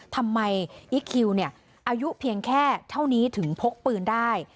ทำไมอีกคิวเนี่ยอายุเพียงแค่เท่านี้ถึงพกปืนได้